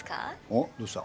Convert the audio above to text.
おっどうした？